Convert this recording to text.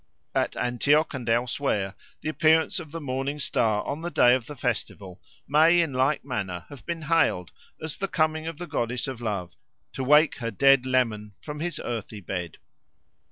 At Antioch and elsewhere the appearance of the Morning Star on the day of the festival may in like manner have been hailed as the coming of the goddess of love to wake her dead leman from his earthy bed.